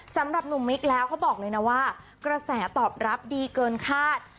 สำหรับหนุ่มมิกแล้วเขาบอกเลยนะว่ากระแสตอบรับดีเกินคาด